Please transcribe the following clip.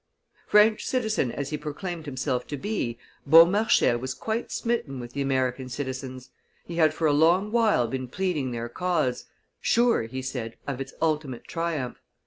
French citizen as he proclaimed himself to be, Beaumarchais was quite smitten with the American citizens; he had for a long while been pleading their cause, sure, he said, of its ultimate triumph.